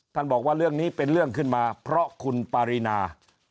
บอกว่าเรื่องนี้เป็นเรื่องขึ้นมาเพราะคุณปารีนา